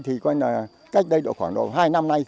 thì coi là cách đây khoảng hai năm nay